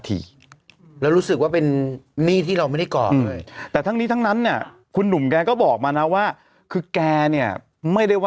ผู้ช่วยหรือนี่ไงคุณรุ๊ดนี่ไงคุณเอาคนบอกมันต้องใช้เงินสดเติม